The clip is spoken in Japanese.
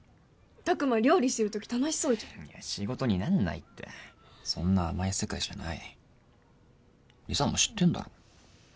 拓真料理してるとき楽しそうじゃんいや仕事になんないってそんな甘い世界じゃない理紗も知ってんだろ？